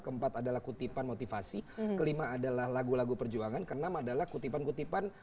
keempat adalah kutipan motivasi kelima adalah lagu lagu perjuangan ke enam adalah kutipan kutipan